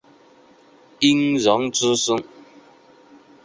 殷融之孙。